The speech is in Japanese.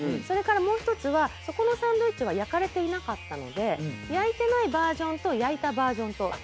それからもう一つはそこのサンドイッチは焼かれていなかったので焼いてないバージョンと焼いたバージョンと。